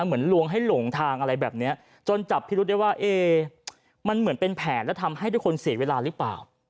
ลวงให้หลงทางอะไรแบบนี้จนจับพิรุษได้ว่ามันเหมือนเป็นแผนและทำให้ทุกคนเสียเวลาหรือเปล่า